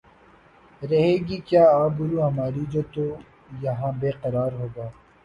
رہے گی کیا آبرو ہماری جو تو یہاں بے قرار ہوگا